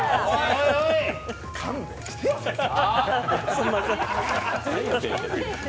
勘弁してよ、先生。